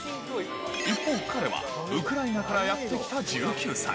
一方、彼はウクライナからやって来た１９歳。